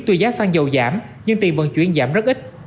tuy giá xăng dầu giảm nhưng tiền vận chuyển giảm rất ít